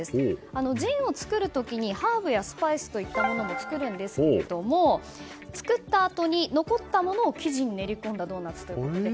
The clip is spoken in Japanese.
ジンを作る時にハーブやスパイスも作るんですけれども作ったあとに残ったものを生地に練り込んだドーナツです。